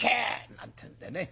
なんてんでね